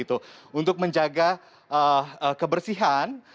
untuk menjaga kebersihan